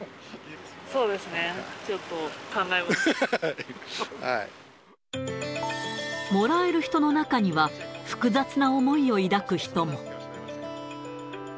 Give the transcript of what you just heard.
そうですね、ちょっと、もらえる人の中には、複雑な思いを抱く人も。